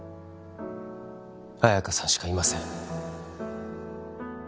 綾華さんしかいません